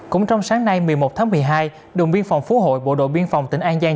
cũng trong sáng nay một mươi một tháng một mươi hai đồn biên phòng phú hội bộ đội biên phòng tỉnh an giang